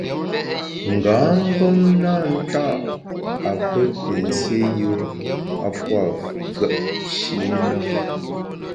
Nga mgbom na nta’ a pe te nsié yùe a pua’ fùepshi na.